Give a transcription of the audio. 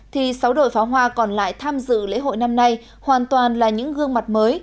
thì sáu đội pháo hoa còn lại tham dự lễ hội năm nay hoàn toàn là những gương mặt mới